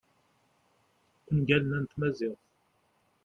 ungalen-a n tmaziɣt